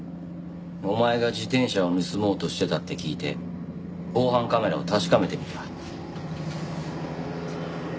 お前が自転車を盗もうとしてたって聞いて防犯カメラを確かめてみた。